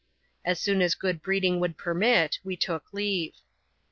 As soon as good breeding would permit, we took leave.